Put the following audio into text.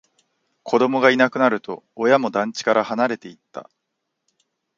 子供がいなくなると、親も団地から離れていった